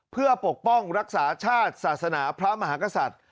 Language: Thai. เพื่อปกป้องรักษาชาติศาสนาพระมหากษัตริย์